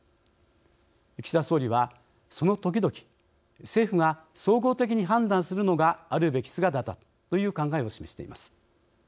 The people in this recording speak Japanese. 岸田総理はその時々政府が総合的に判断するのがあるべき姿だという考えを示しています。